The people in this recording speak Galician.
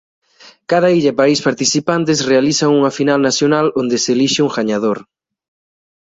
Cada illa e país participantes realizan unha final nacional onde se elixe un gañador.